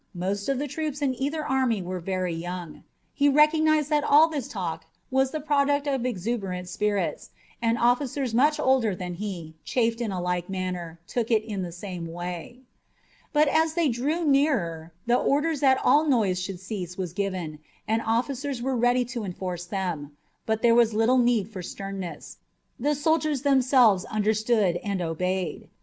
Most of the troops in either army were very young. He recognized that all this talk was the product of exuberant spirits, and officers much older than he, chaffed in a like manner, took it in the same way. But as they drew nearer, orders that all noise should cease were given, and officers were ready to enforce them. But there was little need for sternness. The soldiers themselves understood and obeyed.